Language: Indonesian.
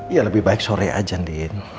ya lebih baik sore aja andin